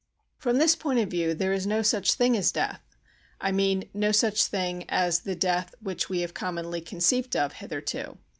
From this point of view there is no such thing as death—I mean no such thing as the death which we have commonly conceived of hitherto.